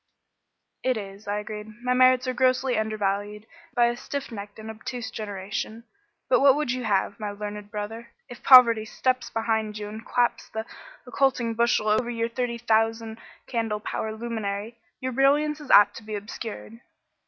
"It is," I agreed. "My merits are grossly undervalued by a stiff necked and obtuse generation. But what would you have, my learned brother? If poverty steps behind you and claps the occulting bushel over your thirty thousand candle power luminary, your brilliancy is apt to be obscured."